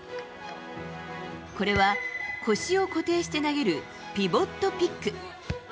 これは腰を固定して投げるピボットピック。